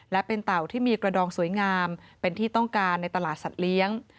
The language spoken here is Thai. และเป็นเต่าที่มีกระดองสวยงามเป็นที่ต้องการในตลาดสัตว์เลี้ยง